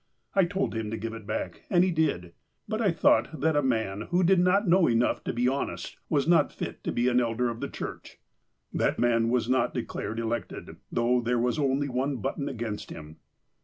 I told him to give it back. And he did. But I thought that a man, who did not know enough to be honest, was not fit to be an elder of the church." That man was not declared elected, though there was only one button against him.